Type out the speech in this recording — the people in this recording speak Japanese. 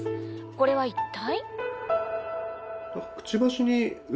これは一体？